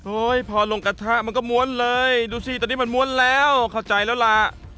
พอลงกระทะมันก็ม้วนเลยดูสิตอนนี้มันม้วนแล้วเข้าใจแล้วล่ะ